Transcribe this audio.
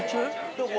どこ？